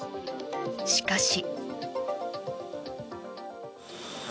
しかし。